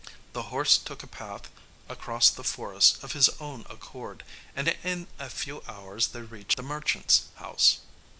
The horse took a path across the forest of his own accord, and in a few hours they reached the merchant's house.